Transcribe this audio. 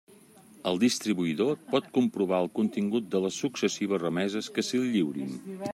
El distribuïdor pot comprovar el contingut de les successives remeses que se li lliurin.